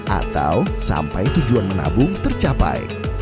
atau sampai tujuan menabung tercapai